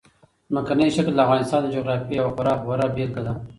ځمکنی شکل د افغانستان د جغرافیې یوه خورا غوره بېلګه ده.